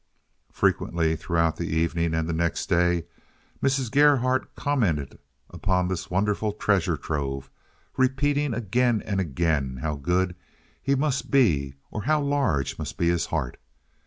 Frequently throughout the evening and the next day Mrs. Gerhardt commented upon this wonderful treasure trove, repeating again and again how good he must be or how large must be his heart.